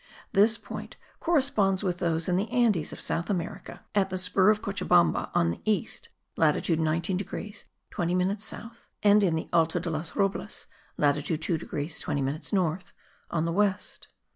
This point corresponds with those in the Andes of South America, at the spur of Cochabamba, on the east, latitude 19 degrees 20 minutes south; and in the Alto de los Robles (latitude 2 degrees 20 minutes north), on the west.